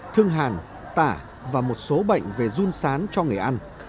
thương hàn tả và một số bệnh về run sán cho người ăn